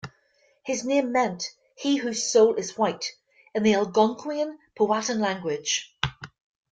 His name meant "He whose Soul is White" in the Algonquian Powhatan language.